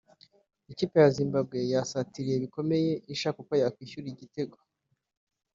Ikipe ya Zimbabwe yasatiriye bikomeye ishaka uko yakwishyura igitego